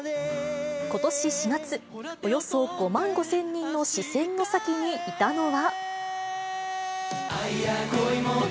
ことし４月、およそ５万５０００人の視線の先にいたのは。